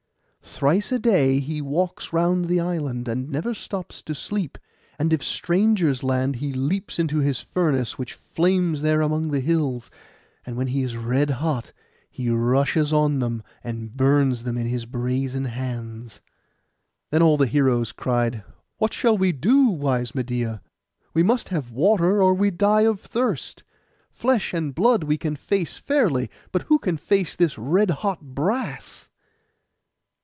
Thrice a day he walks round the island, and never stops to sleep; and if strangers land he leaps into his furnace, which flames there among the hills; and when he is red hot he rushes on them, and burns them in his brazen hands.' Then all the heroes cried, 'What shall we do, wise Medeia? We must have water, or we die of thirst. Flesh and blood we can face fairly; but who can face this red hot brass?